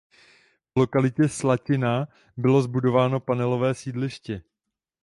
V lokalitě Slatina bylo zbudováno panelové sídliště.